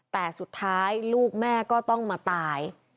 แต่สุดท้ายลูกแม่ก็ต้องมาตาย